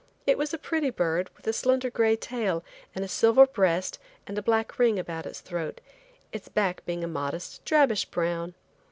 It was a pretty bird with a slender gray tail and a silver breast and a black ring about its throat, its back being a modest drabish brown.